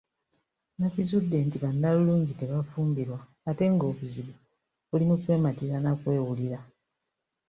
Nakizudde nti bannalulungi tebafumbirwa ate ng’obuzibu buli mu kwematira n’akwewulira.